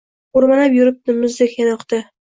O’rmalab yuribdi muzdek yanoqda